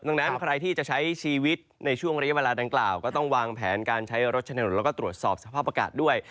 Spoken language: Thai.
ดังนั้นใครที่จะใช้ชีวิตในช่วงระยะเวลาดังกล่าวก็ต้องวางแผนการใช้รถฉนดแล้วก็ตรวจสอบสภาพอากาศด้วย